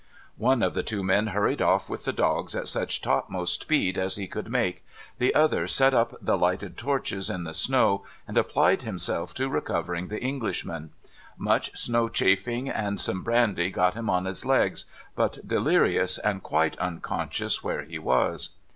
One of the two men hurried off with the dogs at such topmost speed as he could make ; the other set up the lighted torches in the snow, and apjjlied himself to recovering the Englishman. Much snow chafing and some brandy got him on his legs, but delirious and quite unconscious where he was.